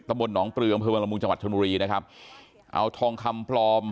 ตะบนหนองเปลืองพื้นวันละมุมจังหวัดธนุรีนะครับเอาทองคำปลอม